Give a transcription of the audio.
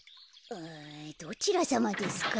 あどちらさまですか？